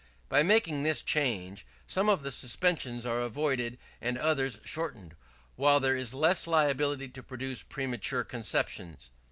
By making this change, some of the suspensions are avoided and others shortened; while there is less liability to produce premature conceptions.